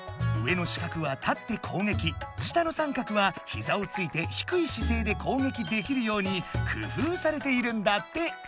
上の四角は立って攻撃下の三角はひざをついて低い姿勢で攻撃できるように工夫されているんだって。